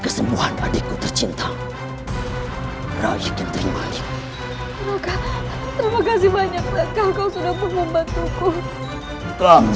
kesembuhan adikku tercinta raih kentering manik terima kasih banyak tak kau sudah membantuku kamu